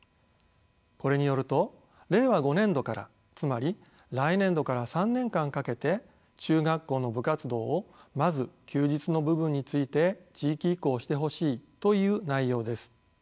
これによると令和５年度からつまり来年度から３年間かけて中学校の部活動をまず休日の部分について地域移行してほしいという内容です。